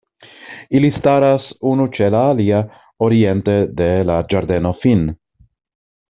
Ili staras unu ĉe la alia oriente de la Ĝardeno Fin.